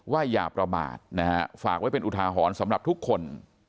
อย่าประมาทนะฮะฝากไว้เป็นอุทาหรณ์สำหรับทุกคน